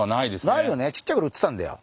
ないよねちっちゃいころ売ってたんだよ